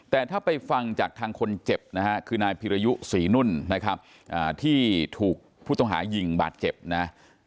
แต่ถ้าไปฟังจากทางคนเจ็บนะฮะคือนายพิรยุศรีนุ่นนะครับที่ถูกผู้ต้องหายิงบาดเจ็บนะ